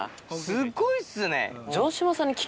すごいっすね！